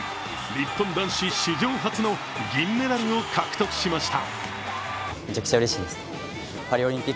日本男子史上初の銀メダルを獲得しました。